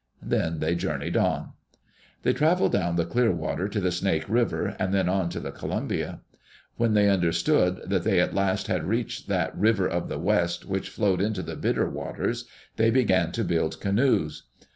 Then they journeyed on. They traveled down the Clearwater to the Snake River, and then on to the Columbia. When they understood that they at last had reached that River of the West which flowed into the Bitter Waters, they began to build canoes.